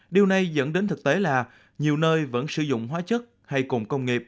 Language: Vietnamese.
điều này dẫn đến thực tế là nhiều nơi vẫn sử dụng hóa chất hay cụm công nghiệp